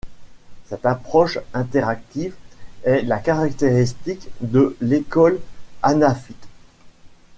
Cette approche interactive est la caractéristique de l’école hanafite.